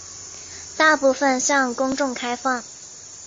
大部分向公众开放。